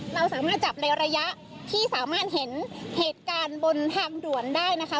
เราสามารถจับในระยะที่สามารถเห็นเหตุการณ์บนทางด่วนได้นะคะ